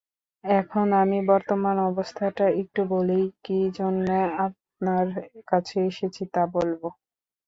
এখন আমি বর্তমান অবস্থাটা একটু বলেই কি জন্যে আপনার কাছে এসেছি তা বলব।